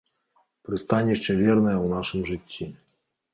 Прыстанішча вернае ў нашым жыцці.